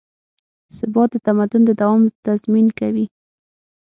ثبات د تمدن د دوام تضمین کوي.